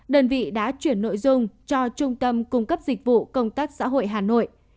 đơn vị đã chuyển nội dung cho trung tâm cung cấp dịch vụ công tác xã hội hà nội